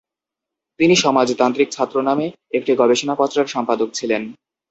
তিনি "সমাজতান্ত্রিক ছাত্র" নামে একটি গবেষণাপত্রের সম্পাদক ছিলেন।